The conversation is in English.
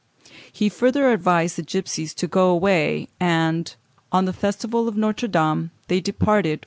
He further advised the gipsies to go away, and, on the festival of Notre Dame, they departed for Pontoise."